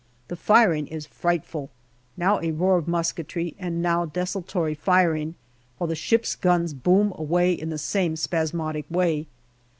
The firing is frightful now a roar of musketry, and now desultory firing while the ships' guns boom away in the same spasmodic way.